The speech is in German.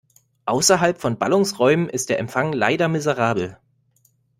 Außerhalb von Ballungsräumen ist der Empfang leider miserabel.